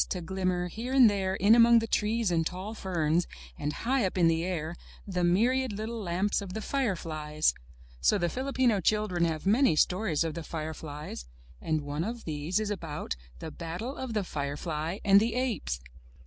82 UP ONE PAIR OF STAIRS glimmer here and there, in among the trees and tall ferns, and high up in the air, the myriad little lamps of the fireflies. So the Filipino children have many stories of the fireflies, and one of these is about The Battle of the Firefly and the Apes.